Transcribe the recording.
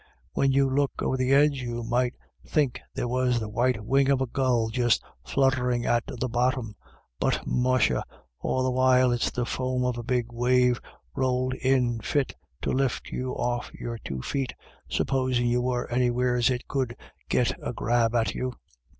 When you look over the edge, you might think there was the white wing of a gull just flutterin' at the bottom, but, musha, all the while it's the foam of a big wave rowled in fit to lift you off your two feet, supposin' you were anywheres it could git a grab at you.